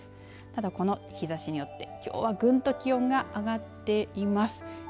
ただ、この日ざしによってきょうはぐんと気温が上がっています。